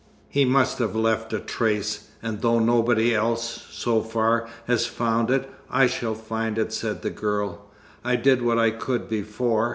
"He must have left a trace, and though nobody else, so far, has found it, I shall find it," said the girl. "I did what I could before.